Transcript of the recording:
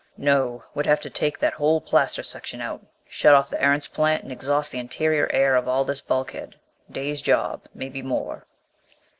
"No. Would have to take that whole plaster section out, shut off the Erentz plant and exhaust the interior air of all this bulkhead. Day's job maybe more."